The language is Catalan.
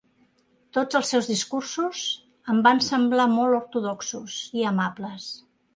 Tots els seus discursos em van semblar molt ortodoxos i amables.